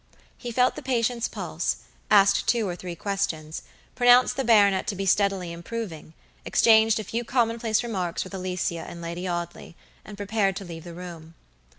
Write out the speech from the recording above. He felt the patient's pulse; asked two or three questions; pronounced the baronet to be steadily improving; exchanged a few commonplace remarks with Alicia and Lady Audley, and prepared to leave the room.